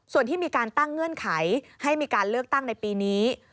ส่วนที่มีการตั้งเงื่อนไขให้มีการเลือกตั้งในปีนี้